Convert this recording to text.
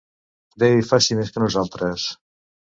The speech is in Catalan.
Déu hi faci més que nosaltres.